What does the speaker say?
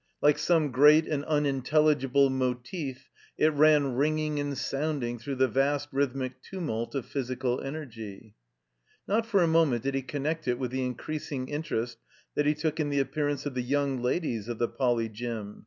Like some great and unintel ligible motif it ran ringing and sotmding through the vast rhythmic tumtdt of physical energy. Not for a moment did he connect it with the increas ing interest that he took in the appearance of the 9 THE COMBINED MAZE Young Ladies of the Poly. Gym.